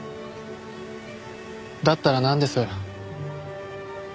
だったらなんです？